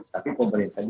seperti katanya tadi